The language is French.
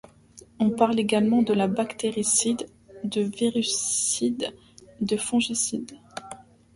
On parle également de bactéricide, de virucide, de fongicide.